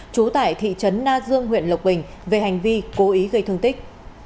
chú tải thị trấn na dương huyện lộc bình về hành vi cố ý gây thương tích